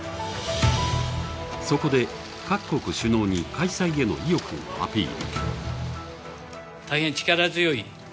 そこで各国首脳に開催への意欲をアピール。